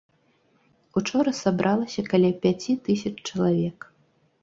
Учора сабралася каля пяці тысяч чалавек.